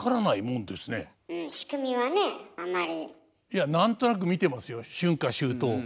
いや何となく見てますよ春夏秋冬。